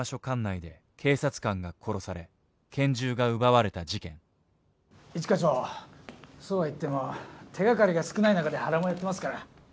管内で警察官が殺され拳銃が奪われた事件一課長そうは言っても手がかりが少ない中で原もやってますから。